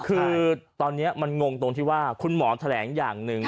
คือตอนนี้มันงงตรงที่ว่าคุณหมอแถลงอย่างหนึ่ง